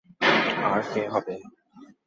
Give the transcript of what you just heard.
আর কে হবে?